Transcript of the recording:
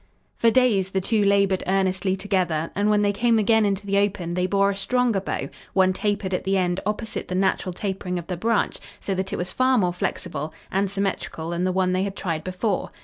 For days the two labored earnestly together, and when they came again into the open they bore a stronger bow, one tapered at the end opposite the natural tapering of the branch, so that it was far more flexible and symmetrical than the one they had tried before.